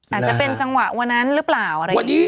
อาจจะเป็นจังหวะวันนั้นหรือเปล่า